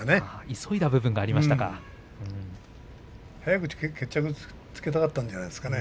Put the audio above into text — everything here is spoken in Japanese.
急いだ部分がありましたかね。